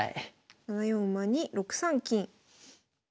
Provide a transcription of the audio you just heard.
７四馬に６三金。